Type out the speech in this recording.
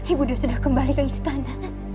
ibu dia sudah kembali ke istana